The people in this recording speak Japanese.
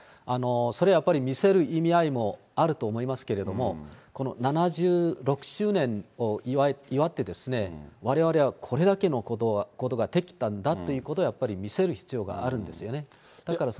それはやっぱり見せる意味合いもあると思いますけれども、この７６周年を祝って、われわれはこれだけのことができたんだということを、やっぱり見せる必要があるんですよね。